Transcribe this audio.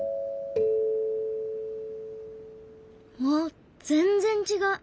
わっ全然違う。